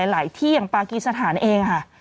หลายที่อย่างปากีสถานเองค่ะ